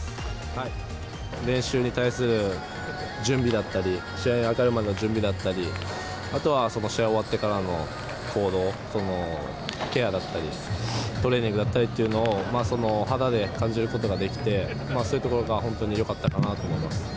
練習に対する準備だったり、試合に当たるまでの準備だったり、あとは試合終わってからの行動、ケアだったり、トレーニングだったりっていうのを、肌で感じることができて、そういうところが本当によかったかなと思います。